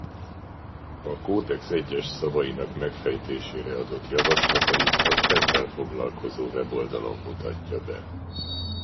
A kódex egyes szavainak megfejtésére adott javaslatait az ezzel foglalkozó weboldalon mutatja be.